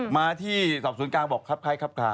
มาที่สอบสวนกลางบอกครับคล้ายครับคลา